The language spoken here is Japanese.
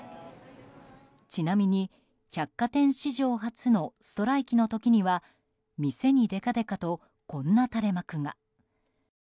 ちなみに百貨店史上初のストライキの時には店にでかでかとこんな垂れ幕が。